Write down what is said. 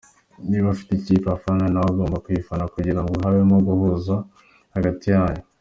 Niba afite ikipe afana, nawe ugomba kuyifana kugirango habeho guhuza hagati yanyu.